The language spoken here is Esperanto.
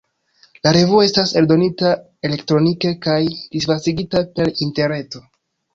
La revuo estas eldonita elektronike kaj disvastigita per interreto.